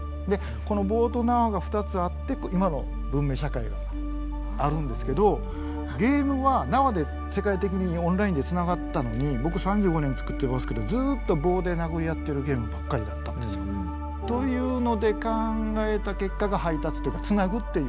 この棒と縄が２つあって今の文明社会があるんですけどゲームは縄で世界的にオンラインで繋がったのに僕３５年つくってますけどずっと棒で殴り合ってるゲームばっかりだったんですよね。というので考えた結果が配達というか繋ぐっていう。